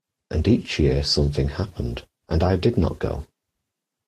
And each year something happened, and I did not go.